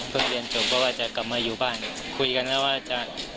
เพิ่งเรียนจบก็ว่าจะกลับมาอยู่บ้านคุยกันแล้วว่าจะ